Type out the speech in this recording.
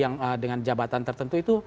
yang dengan jabatan tertentu itu